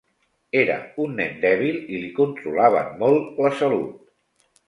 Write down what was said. Era un nen dèbil i li controlaven molt la salut.